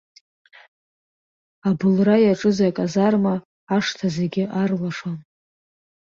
Абылра иаҿыз аказарма ашҭа зегьы арлашон.